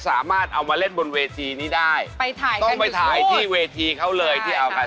อ๋อนี่แหละเซ็นโซกี้อ๋อนี่แหละเซ็นโซกี้